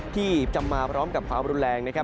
ที่จะมาพร้อมกับความรุนแรงนะครับ